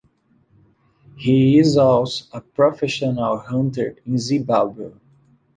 He is also a professional hunter in Zimbabwe.